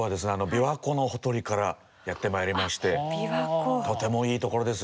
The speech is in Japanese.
琵琶湖のほとりからやってまいりましてとてもいい所ですよ。